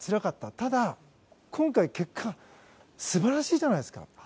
ただ、今回の結果素晴らしいじゃないですか。